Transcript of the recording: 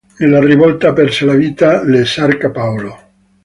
Nella rivolta, perse la vita l'esarca Paolo.